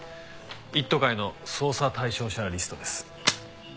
一途会の捜査対象者リストです。